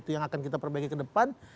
yang akan kita perbaiki kedepan